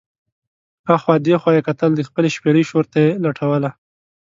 اخوا دې خوا یې کتل، د خپلې شپېلۍ شور ته یې لټوله.